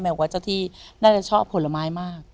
ว่าเจ้าที่น่าจะชอบผลไม้มาก